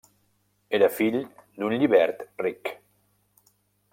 Era fill d'un llibert ric.